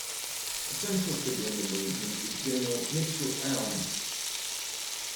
A central figure in the movement is General Michel Aoun.